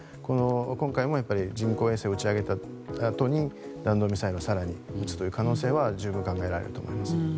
今回も人工衛星を打ち上げたあとに弾道ミサイルを更に撃つ可能性は十分、考えられると思います。